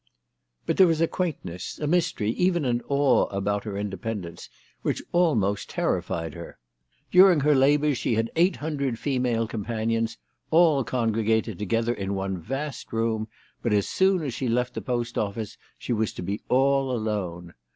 But there was a quaintness, a mystery, even an awe, about her independence which almost terrified her. During her labours she had eight hundred female com panions, all congregated together in one vast room, but as soon as she left the Post Office she was to be all alone